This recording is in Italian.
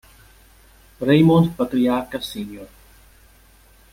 Raymond Patriarca Sr.